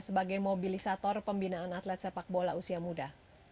sebagai mobilisator pembinaan atlet sepak bola usia muda